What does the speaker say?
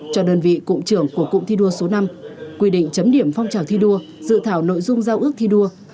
cho đơn vị cụ trưởng của cục thí đua số năm quy định chấm điểm phong trào thí đua dự thảo nội dung giao ước thí đua